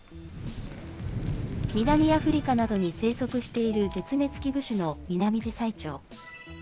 南アフリカなどに生息している絶滅危惧種のミナミジサイチョウ。